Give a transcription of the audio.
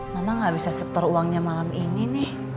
memang nggak bisa setor uangnya malam ini nih